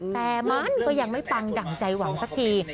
แต่มันก็ยังไม่ปังดั่งใจหวังสักที